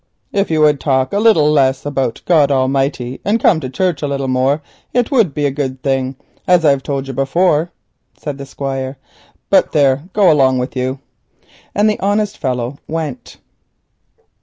"If you would talk a little less about your Maker, and come to church a little more, it would be a good thing, as I've told you before," said the Squire; "but there, go along with you." And the honest fellow went.